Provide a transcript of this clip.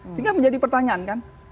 sehingga menjadi pertanyaan kan